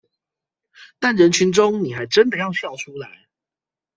但人群中你還真的要笑出來